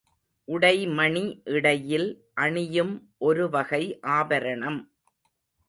உடைமணி இடையில் அணியும் ஒருவகை ஆபரணம்.